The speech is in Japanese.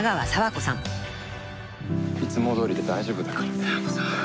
「いつもどおりで大丈夫だから」